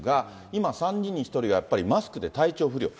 今、３人に１人がやっぱりマスクで体調不良。